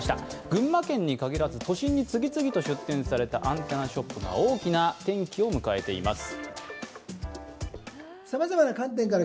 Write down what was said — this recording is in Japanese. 群馬県に限らず、都心に次々と出店されたアンテナショップが大きな転機を迎えています。